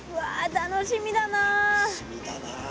楽しみだな。